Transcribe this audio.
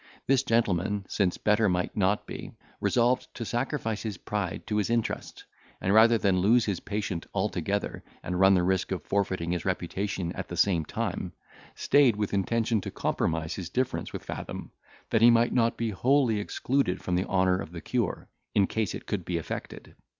This gentleman, since better might not be, resolved to sacrifice his pride to his interest, and, rather than lose his patient altogether, and run the risk of forfeiting his reputation at the same time, stayed with intention to compromise his difference with Fathom, that he might not be wholly excluded from the honour of the cure, in case it could be effected.